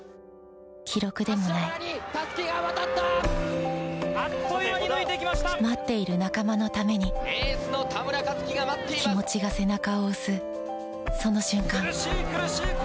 記録でもない待っている仲間のために気持ちが背中を押すその瞬間